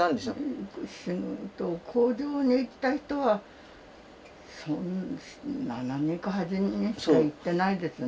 工場に行った人は７人か８人しか行ってないですね。